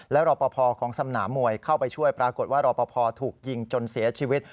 รอปภของสนามมวยเข้าไปช่วยปรากฏว่ารอปภถูกยิงจนเสียชีวิต